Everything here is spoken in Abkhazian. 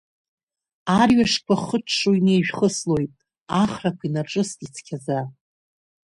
Арҩашқәа хыҽҽо инеижәхыслоит, ахрақәа инарҿыст ицқьаӡа.